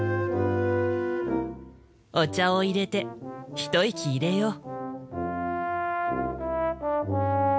お茶をいれて一息入れよう。